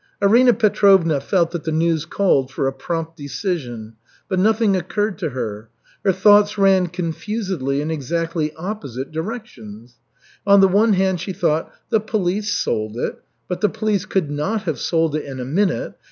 Arina Petrovna felt that the news called for a prompt decision, but nothing occurred to her. Her thoughts ran confusedly in exactly opposite directions. On the one hand she thought: "The police sold it. But the police could not have sold it in a minute.